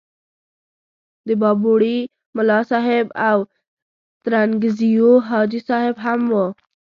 د بابړي ملاصاحب او ترنګزیو حاجي صاحب هم وو.